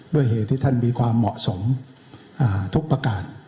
ด้วยเหตุที่ท่านมีความเหมาะสมทุกประการ